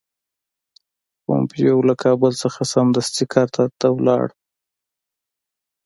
پومپیو له کابل څخه سمدستي قطر ته ولاړ.